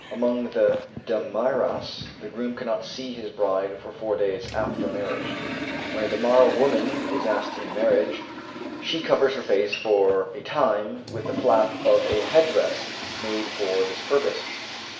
Among the Damaras, the groom cannot see his bride for four days after marriage. When a Damara woman is asked in marriage, she covers her face for a time with the flap of a headdress made for this purpose.